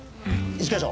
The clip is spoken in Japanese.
一課長！